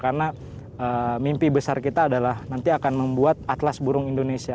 karena mimpi besar kita adalah nanti akan membuat atlas burung indonesia